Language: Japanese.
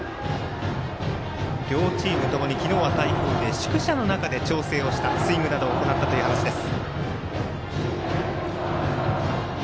両チームともに昨日は台風で宿舎の中で調整したスイングなどを行ったという話です。